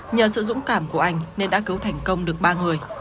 nhờ sự dũng cảm của anh nên đã cứu thành công được ba người